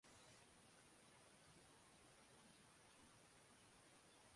সুন্দর হয়েছে তো গাছের ছবি!